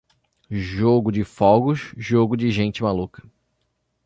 Jogo de fogos, jogo de gente maluca.